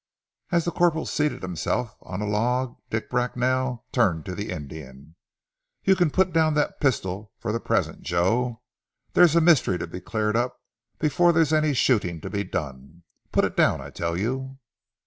As the corporal seated himself on a log, Dick Bracknell turned to the Indian. "You can put down that pistol for the present, Joe. There's a mystery to be cleared up before there's any shooting to be done. Put it down, I tell you!"